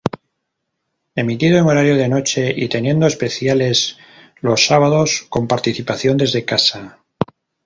Emitido en horario de noche y teniendo especiales los sábados, con participación desde casa.